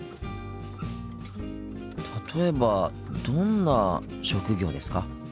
例えばどんな職業ですか？